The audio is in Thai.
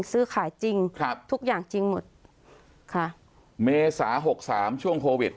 ซื้อขายจริงครับทุกอย่างจริงหมดค่ะเมษาหกสามช่วงโควิด